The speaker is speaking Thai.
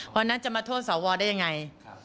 เพราะฉะนั้นจะมาโทษสวได้ยังไง